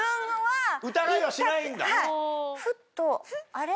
あれ？